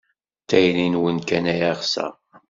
D tayri-nwen kan ay ɣseɣ.